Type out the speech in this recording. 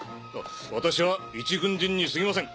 私はいち軍人にすぎません